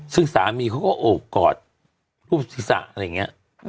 ซึ่งสามีก็เอากอดพูดศึกษาตั๋งเนี่ย